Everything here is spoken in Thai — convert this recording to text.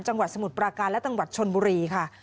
สมุทรปราการและจังหวัดชนบุรีค่ะ